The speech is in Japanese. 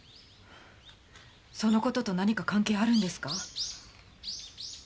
そのことと何か関係あるんですか？